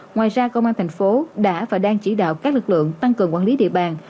ngoài ra công an thành phố đã và đang chỉ đạo các lực lượng tăng cường quản lý địa bàn